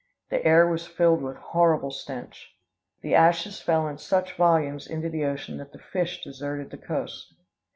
The air was filled with horrible stench. The ashes fell in such volumes into the ocean that the fish deserted the coast.